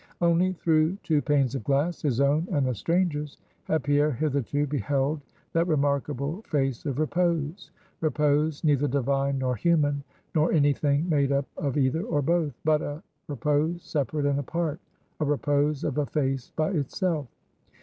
Only through two panes of glass his own and the stranger's had Pierre hitherto beheld that remarkable face of repose, repose neither divine nor human, nor any thing made up of either or both but a repose separate and apart a repose of a face by itself.